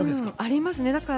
あります。